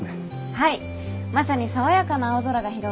はい。